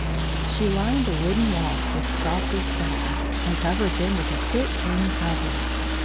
She lined the wooden walls with softest satin, and covered them with a thick green covering.